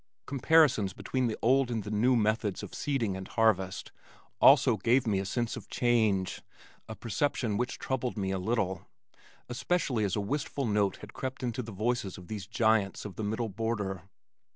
Comparisons between the old and the new methods of seeding and harvest also gave me a sense of change, a perception which troubled me a little, especially as a wistful note had crept into the voices of these giants of the middle border.